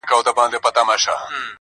زه په لحد کي او ته به ژاړې -